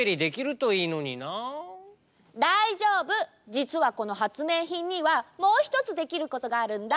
じつはこのはつめいひんにはもうひとつできることがあるんだ。